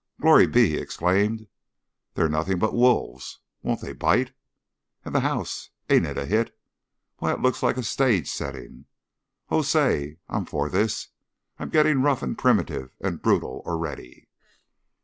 "Glory be!" he exclaimed. "They're nothing but wolves. Won't they bite? And the house ain't it a hit! Why, it looks like a stage setting! Oh, say, I'm for this! I'm getting rough and primitive and brutal already!"